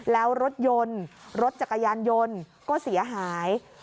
แล้วรถยนต์รถจักรยานยนต์ก็เสียหาย